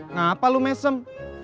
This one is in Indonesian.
ngapa lu mesem